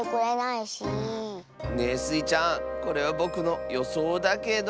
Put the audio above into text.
ねえスイちゃんこれはぼくのよそうだけど。